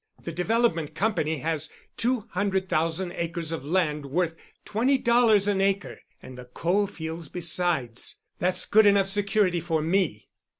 The Development Company has two hundred thousand acres of land worth twenty dollars an acre and the coal fields besides. That's good enough security for me."